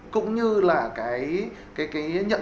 cũng như là cái nhận thức lớn